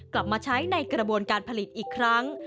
กลับมาใช้ในกระบวนการผลิตอีกครั้ง